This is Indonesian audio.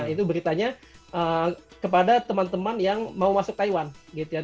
itu beritanya kepada teman teman yang mau masuk taiwan gitu ya